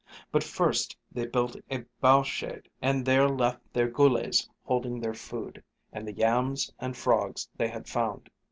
But first they built a bough shade, and there left their goolays holding their food, and the yams and frogs they had found.